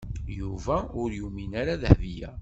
Yuba ur yumin ara Dahbiya.